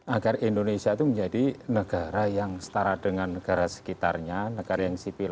agar indonesia itu menjadi negara yang setara dengan negara sekitarnya negara yang sipil